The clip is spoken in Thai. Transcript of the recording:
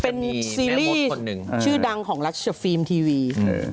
เป็นซีรีส์ชื่อดังของรัชฟิล์มทีวี